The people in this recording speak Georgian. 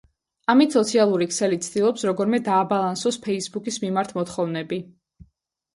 ამით სოციალური ქსელი ცდილობს როგორმე დააბალანსოს „ფეისბუქის“ მიმართ მოთხოვნები.